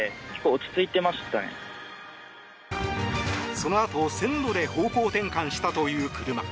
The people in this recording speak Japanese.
そのあと線路で方向転換したという車。